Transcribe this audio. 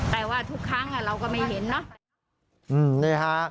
แต่ว่าทุกครั้งเราก็ไม่เห็นเนาะ